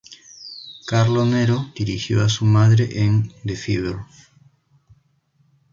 Carlo Nero dirigió a su madre en "The Fever".